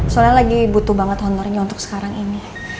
soalnya lagi butuh banget honornya untuk sekarang ini